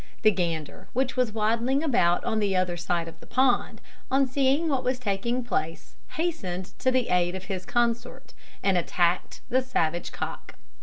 The gander, which was waddling about on the other side of the pond, on seeing what was taking place hastened to the aid of his consort, and attacked the savage cock.